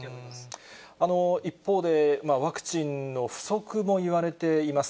一方で、ワクチンの不足も言われています。